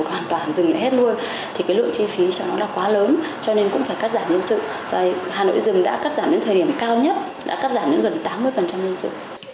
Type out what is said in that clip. hà nội dừng đã cắt giảm đến thời điểm cao nhất đã cắt giảm đến gần tám mươi dân sự